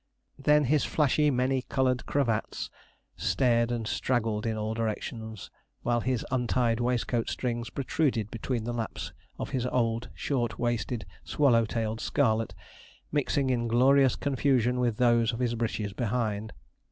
Then his flashy, many coloured cravats, stared and straggled in all directions, while his untied waistcoat strings protruded between the laps of his old short waisted swallow tailed scarlet, mixing in glorious confusion with those of his breeches behind.